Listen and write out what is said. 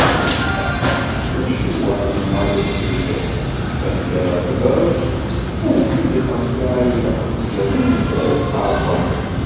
D acu yuεren maḍi deg tudert, d amek ara teẓreḍ anti tiqneṭyar i ilaq ad tzegreḍ, anti ara tḥerqeḍ.